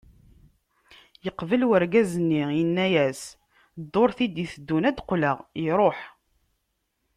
Yeqbel urgaz-nni, yenna-as, ddurt i d-iteddun ad d-qqleɣ, iruḥ.